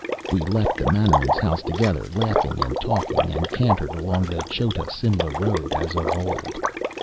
We left the Mannerings' house together, laughing and talking, and cantered along the Chota Simla road as of old.